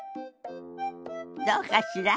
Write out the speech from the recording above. どうかしら？